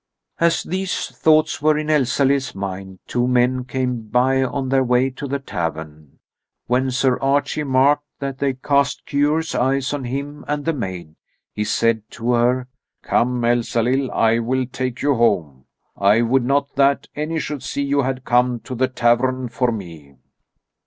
As these thoughts were in Elsalill's mind two men came by on their way to the tavern. When Sir Archie marked that they cast curious eyes on him and the maid, he said to her: "Come, Elsalill, I will take you home. I would not that any should see you had come to the tavern for me."